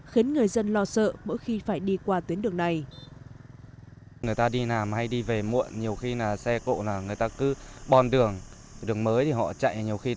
khiến người dân lo sợ mỗi khi phải đi qua tuyến đường này